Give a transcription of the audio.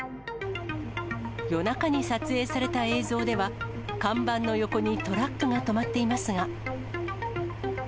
夜中に撮影された映像では、看板の横にトラックが止まっていますが。